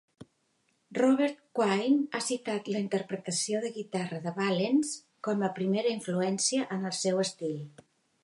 Robert Quine ha citat la interpretació de guitarra de Valens com a primera influència en el seu estil.